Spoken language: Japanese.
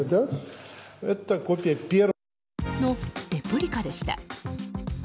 の、レプリカでした。